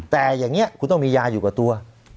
แต่อย่างนี้คุณต้องมียาอยู่กับตัว